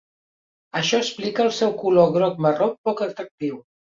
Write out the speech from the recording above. Això explica el seu color groc-marró poc atractiu.